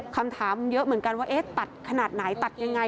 คำถามเยอะเหมือนกันว่าเอ๊ะตัดขนาดไหนตัดยังไง